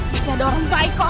biasa ada orang baik kok